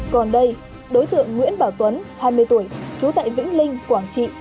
còn đây đối tượng nguyễn bảo tuấn hai mươi tuổi trú tại vĩnh linh quảng trị